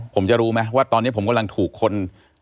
ผมจะรู้ไหมว่าตอนนี้ผมกำลังถูกคน